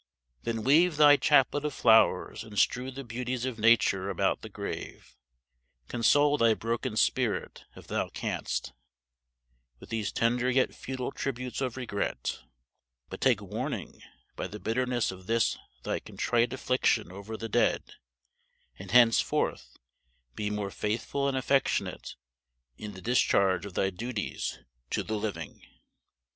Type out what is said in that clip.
Then weave thy chaplet of flowers and strew the beauties of Nature about the grave; console thy broken spirit, if thou canst, with these tender yet futile tributes of regret; but take warning by the bitterness of this thy contrite affliction over the dead, and henceforth be more faithful and affectionate in the discharge of thy duties to the living.